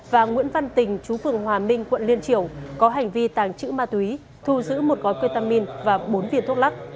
và nguyễn văn tình chú phường hòa minh quận liên triều có hành vi tàng trữ ma túy thu giữ một gói ketamin và bốn viên thuốc lắc